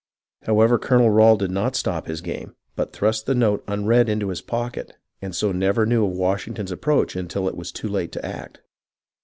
However, Colonel Rail did not stop his game, but thrust the note unread into his pocket, and so never knew of Washington's approach until it was too late to act.